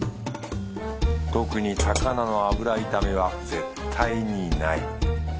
特に高菜の油炒めは絶対にない。